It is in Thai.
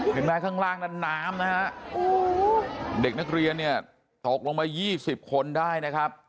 เห็นงั้นข้างล่างน้ำนะฮะเด็กนักเรียเนี่ยถกลงมา๒๐คนได้นะครับ